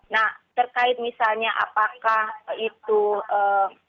nah terkait misalnya apakah itu pesantren yang sesuai dengan kriteria yang ditentukan oleh kementerian agama